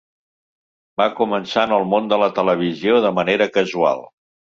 Va començar en el món de la televisió de manera casual.